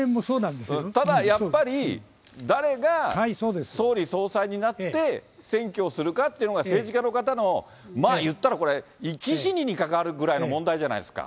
ただやっぱり、誰が総理総裁になって、選挙をするかってのが、政治家の方の、言ったらこれ、生き死にに関わるぐらいの問題じゃないですか。